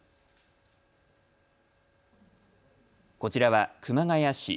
こちらは熊谷市。